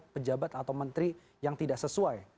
pejabat atau menteri yang tidak sesuai